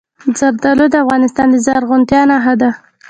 زردالو د افغانستان د زرغونتیا نښه ده.